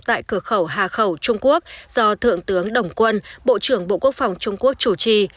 tại cửa khẩu hà khẩu trung quốc do thượng tướng đồng quân bộ trưởng bộ quốc phòng trung quốc chủ trì